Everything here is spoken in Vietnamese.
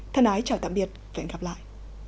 thân ái chào tạm biệt và hẹn gặp lại